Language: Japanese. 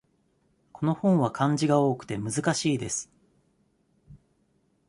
この本は漢字が多くて難しいです。